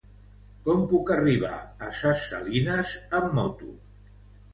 Com puc arribar a Ses Salines amb moto?